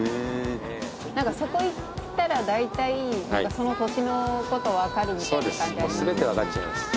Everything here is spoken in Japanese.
何かそこ行ったらだいたいその土地のこと分かるみたいな感じありますよね。